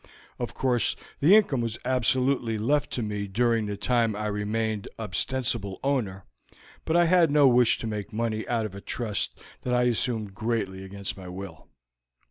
Of course the income was absolutely left to me during the time I remained ostensible owner, but I had no wish to make money out of a trust that I assumed greatly against my will.